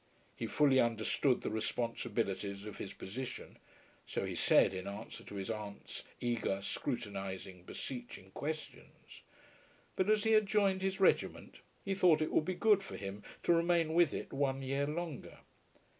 He fully understood the responsibilities of his position; so he said, in answer to his aunt's eager, scrutinising, beseeching questions. But as he had joined his regiment, he thought it would be good for him to remain with it one year longer.